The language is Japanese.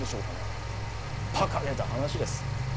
馬鹿げた話です。